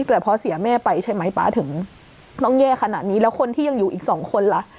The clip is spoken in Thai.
แต่พอเสียแม่ไปใช่ไหมป๊าถึงต้องแย่ขนาดนี้แล้วคนที่ยังอยู่อีกสองคนล่ะ